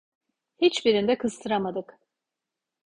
Hiçbirinde kıstıramadık.